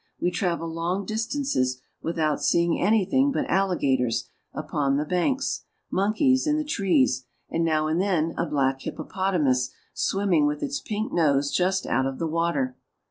We travel long distances with out seeing anything but alligators upon the banks, mon keys in the trees, and, now and then, a black hippopotamus swimming with its pink nose just out of the water.